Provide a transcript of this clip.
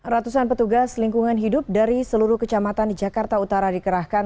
ratusan petugas lingkungan hidup dari seluruh kecamatan di jakarta utara dikerahkan